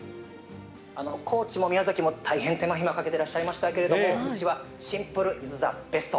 高知も宮崎も大変、手間ひまをかけていらっしゃいましたけどうちはシンプルイズザベスト。